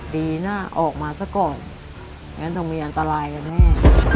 ดีนะออกมาสักก่อนก็มีอันตรายกันแม่